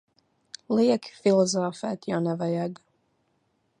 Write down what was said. Lieki filozofēt jau nevajag.